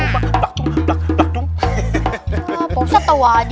pak ustadz tau aja